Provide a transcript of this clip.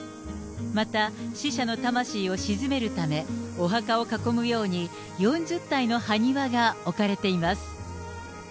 また死者の魂を鎮めるため、お墓を囲むように４０体の埴輪が置かれています。